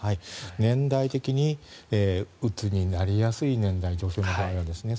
年代的にうつになりやすい年代女性の場合はですね。